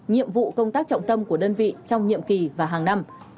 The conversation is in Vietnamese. nhiệm vụ công tác trọng tâm của đơn vị trong nhiệm kỳ và hàng năm